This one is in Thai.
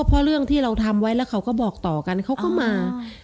เพราะเรื่องที่เราทำไว้แล้วเขาก็บอกต่อกันเขาก็มา